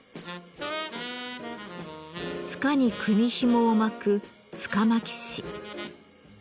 柄に組みひもを巻く「柄巻師」。